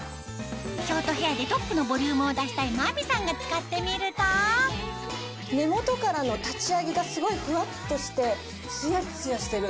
ショートヘアでトップのボリュームを出したい真美さんが使ってみると根元からの立ち上げがすごいふわっとしてツヤツヤしてる！